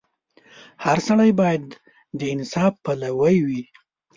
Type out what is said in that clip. • هر سړی باید د انصاف پلوی وي.